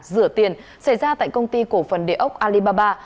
rửa tiền xảy ra tại công ty cổ phần địa ốc alibaba